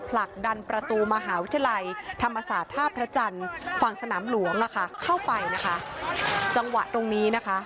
ผลักดันประตูมหาวิทยาลัยธรรมศาสตร์ท่าพระจันทร์ฝั่งสนามหลวงอ่ะค่ะเข้าไปนะคะจังหวะตรงนี้นะคะ